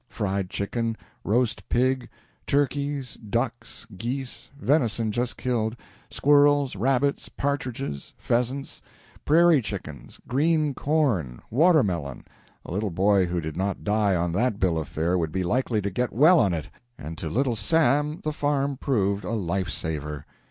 Fried chicken, roast pig, turkeys, ducks, geese, venison just killed, squirrels, rabbits, partridges, pheasants, prairie chickens, green corn, watermelon a little boy who did not die on that bill of fare would be likely to get well on it, and to Little Sam the farm proved a life saver.